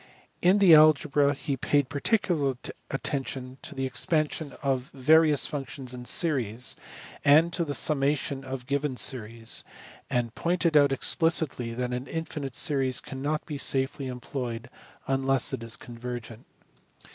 In the algebra he paid particular attention to the expansion of various EULER. 401 functions in series, and to the summation of given series; and pointed out explicitly that an infinite series cannot be safely employed unless it is convergent.